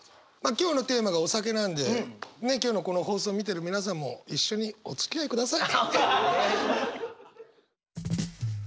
今日のテーマが「お酒」なんでねっ今日のこの放送を見てる皆さんも一緒におつきあいください。